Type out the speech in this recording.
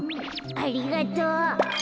ありがとう。